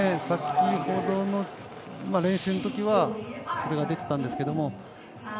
先ほどの練習のときはそれが出てたんですけど。